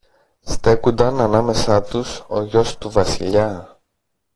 στέκουνταν ανάμεσα τους ο γιος του Βασιλιά.